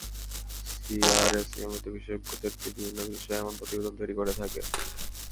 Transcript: CRS নিয়মিত বিশেষজ্ঞদের দিয়ে বিভিন্ন বিষয়ে এমন প্রতিবেদন তৈরি করে থাকে।